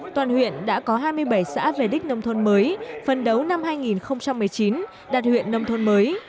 toàn huyện đã có hai mươi bảy xã về đích nông thôn mới phân đấu năm hai nghìn một mươi chín đạt huyện nông thôn mới